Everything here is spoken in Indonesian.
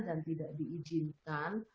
dan tidak diijinkan